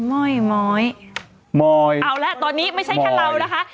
ม่อยม้อยมอยเอาละตอนนี้ไม่ใช่แค่เรานะคะ